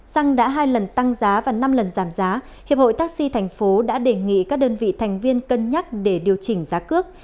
xăng đã hai lần tăng giá và năm lần giảm giá hiệp hội taxi thành phố đã đề nghị các đơn vị thành viên cân nhắc để điều chỉnh giá cước